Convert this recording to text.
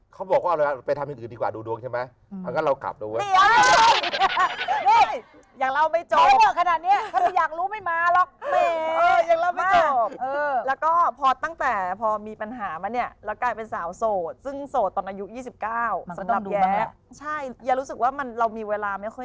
เขาบอกว่าไปทำอย่างอื่นดีกว่าดูดวงใช่ไหมหลังจากนั้นเรากลับดู